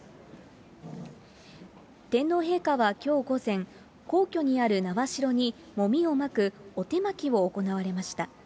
天皇陛下はきょう午前、皇居にある苗代にもみをまくお手まきを行われました。